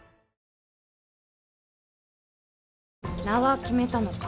名は決めたのか。